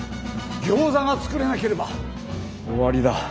ギョーザが作れなければ終わりだ。